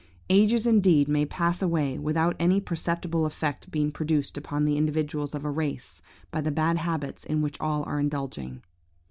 Ages indeed may pass away without any perceptible effect being produced upon the individuals of a race by the bad habits in which all are indulging.